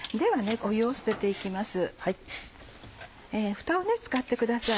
ふたを使ってください。